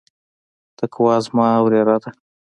تقوا زما وريره ده.